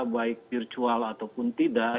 baik virtual ataupun tidak